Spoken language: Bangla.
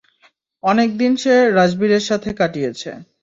অনেক দিন সে রাজবীরের সাথে কাটিয়েছে।